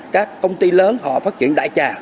công ty lớn họ phát triển đại trà